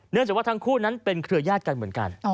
จากว่าทั้งคู่นั้นเป็นเครือญาติกันเหมือนกัน